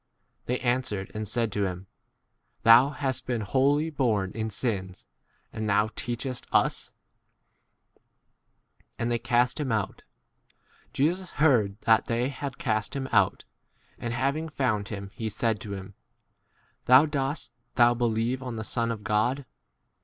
They answered and said to him, Thou * hast been wholly born in sins, and thou* teachest us ? And they cast him n ~> out. Jesus heard that they had cast him out, and having found him, he said to him, Thou, dost thou believe on the Son of God